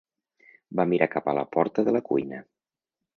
Va mirar cap a la porta de la cuina.